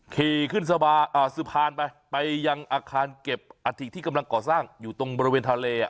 ขี่ขึ้นสะพานไปไปยังอาคารเก็บอาถิที่กำลังก่อสร้างอยู่ตรงบริเวณทะเล